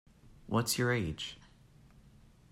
What's your age?